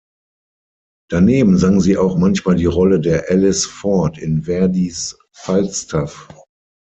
Daneben sang sie auch manchmal die Rolle der Alice Ford in Verdis "Falstaff".